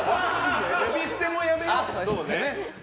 呼び捨てもやめよう。